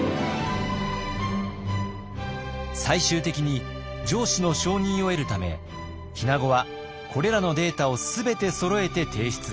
最終的に上司の承認を得るため日名子はこれらのデータを全てそろえて提出。